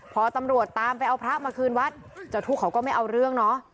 พอตำรวจตามไปเอาพระมาคืนวัดเจ้าทุกข์เขาก็ไม่เอาเรื่องเนาะ